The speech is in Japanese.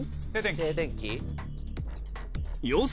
静電気。